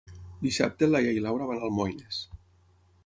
Dissabte na Laia i na Laura van a Almoines.